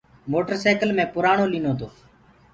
موٽر سيڪل مينٚ پُرآڻو ليٚنو تو۔